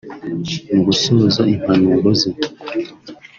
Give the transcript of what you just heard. Mu gusoza impanuro ze